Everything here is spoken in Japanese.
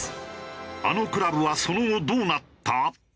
あのクラブはその後どうなった？